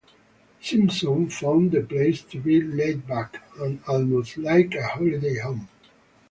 Simpson found the place to be "laid-back" and "almost like a holiday home".